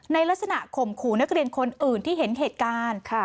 ในลักษณะข่มขู่นักเรียนคนอื่นที่เห็นเหตุการณ์